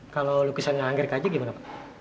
kalau lukisannya anggrek aja gimana pak